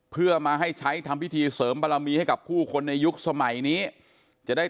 เพื่อมาให้ใช้ทำพิธีเสริมบารมีให้กับผู้คนในยุคสมัยนี้จะได้